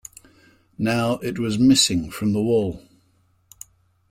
Now it was missing from the wall.